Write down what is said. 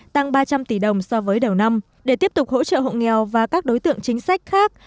tăng ba trăm linh tỷ đồng so với đầu năm để tiếp tục hỗ trợ hộ nghèo và các đối tượng chính sách khác